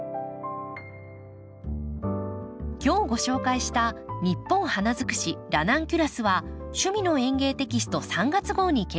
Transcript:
今日ご紹介した「ニッポン花づくしラナンキュラス」は「趣味の園芸」テキスト３月号に掲載されています。